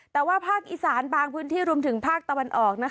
แต่ว่าภาคอีสานบางพื้นที่รวมถึงภาคตะวันออก